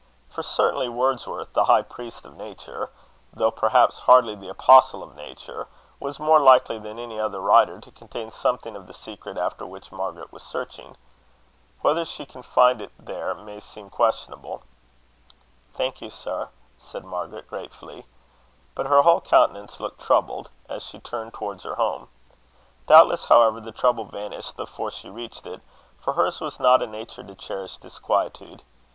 For, certainly, Wordsworth, the high priest of nature, though perhaps hardly the apostle of nature, was more likely than any other writer to contain something of the secret after which Margaret was searching. Whether she can find it there, may seem questionable. "Thank you, sir," said Margaret, gratefully; but her whole countenance looked troubled, as she turned towards her home. Doubtless, however, the trouble vanished before she reached it, for hers was not a nature to cherish disquietude.